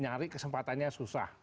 nyari kesempatannya susah